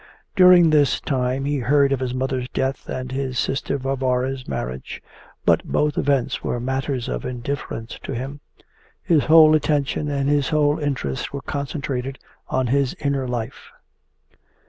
During this time he heard of his mother's death and his sister Varvara's marriage, but both events were matters of indifference to him. His whole attention and his whole interest were concentrated on his inner life.